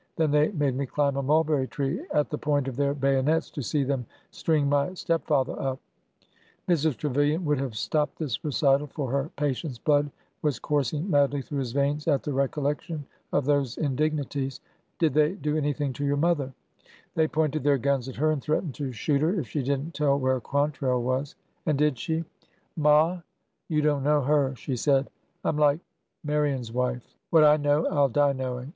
Then they made me climb a mulberry tree, at the point of their bayonets, to see them string my step father up !" Mrs. Trevilian would have stopped this recital, for her patient's blood was coursing madly through his veins at the recollection of those indignities. '' Did they do anything to your mother ?"'' They pointed their guns at her and threatened to shoot her if she did n't tell where Quantrell was." ''And did she?" 270 ORDER NO. 11 Ma ! You donl know her ! She said :' Dm like Ma rion's wife— what I know I 'll die knowing